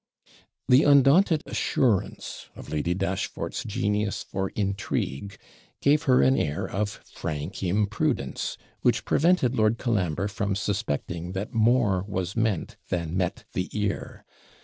The undaunted assurance of Lady Dashfort's genius for intrigue gave her an air of frank imprudence, which prevented Lord Colambre from suspecting that more was meant than met the ear.